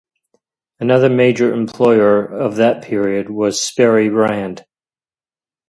Another major employer in that period was Sperry Rand.